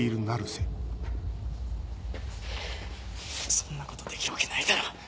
そんなことできるわけないだろ。